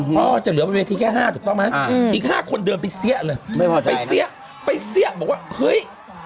พ่อจะเหลือบนเวทีแค่ห้าถูกต้องไหมอีก๕คนเดินไปเสี้ยเลยไปเสี้ยไปเสี้ยบอกว่าเฮ้ย